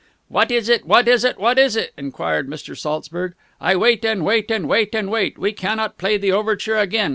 "What is it? What is it? What is it? What is it?" enquired Mr. Saltzburg. "I wait and wait and wait and wait and wait.... We cannot play the overture again.